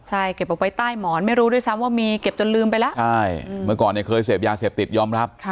ใช่เก็บออกไปใต้หมอนไม่รู้ด้วยซ้ำว่ามีเก็บจนลืมไปแล้วใช่เมื่อก่อนเนี่ยเคยเสพยาเสพติดยอมรับ